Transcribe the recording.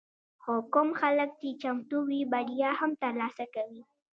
خو کوم خلک چې چمتو وي، بریا هم ترلاسه کوي.